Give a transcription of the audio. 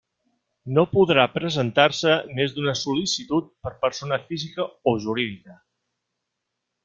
No podrà presentar-se més d'una sol·licitud per persona física o jurídica.